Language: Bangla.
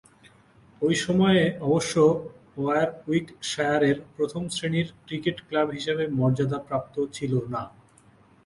ঐ সময়ে অবশ্য ওয়ারউইকশায়ারের প্রথম-শ্রেণীর ক্রিকেট ক্লাব হিসেবে মর্যাদাপ্রাপ্ত ছিল না।